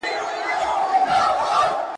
علت یې هماغه د ده خپله خبره ده `